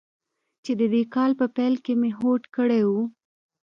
چې د دې کال په پیل کې مې هوډ کړی و.